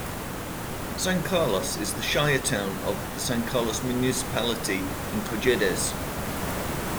San Carlos is the shire town of the San Carlos Municipality in Cojedes.